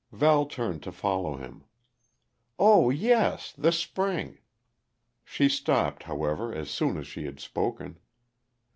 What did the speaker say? Val turned to follow him. "Oh, yes the spring!" She stopped, however, as soon as she had spoken.